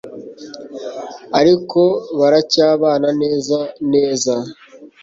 ariko baracyabana neza neza